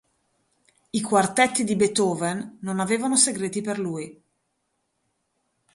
I quartetti di Beethoven non avevano segreti per lui.